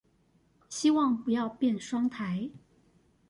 希望不要變雙颱